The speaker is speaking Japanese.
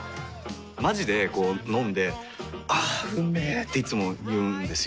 まじでこう飲んで「あーうんめ」っていつも言うんですよ。